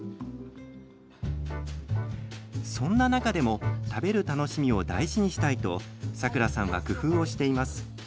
そんな中でも食べる楽しみを大事にしたいとさくらさんは工夫をしています。